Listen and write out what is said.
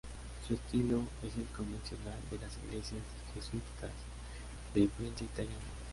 Su estilo es el convencional de las iglesias jesuíticas de influencia italiana.